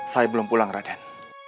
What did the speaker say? saya belum pulang raden